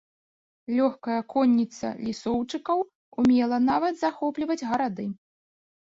Лёгкая конніца лісоўчыкаў умела нават захопліваць гарады.